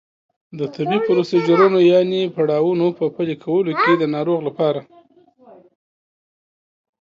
د طبي پروسیجرونو یانې پړاوونو په پلي کولو کې د ناروغ لپاره